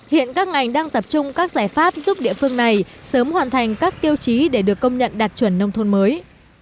hiện các ngành đang tập trung các giải pháp giúp địa phương này sớm hoàn thành các tiêu chí để được công nhận đạt chuẩn nông thôn mới